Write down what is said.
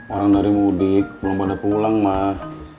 orang dari mudik belum pada pulang mah